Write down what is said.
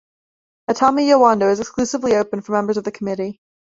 Atami Yowado is exclusively opened for members of the committee.